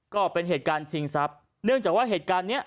ก็เป็นเหตุการณ์ชิงทรัพย์เนื่องจากว่าเหตุการณ์เนี้ย